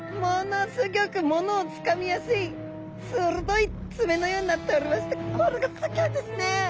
ギョく物をつかみやすい鋭い爪のようになっておりましてこれがすギョいんですね。